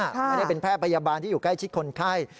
ไม่ได้เป็นแพทย์พยาบาลที่อยู่ใกล้ชิดคนไข้